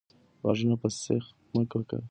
غوږونه په سیخ مه پاکوئ.